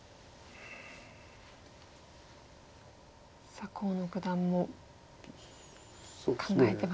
さあ河野九段も考えてますね。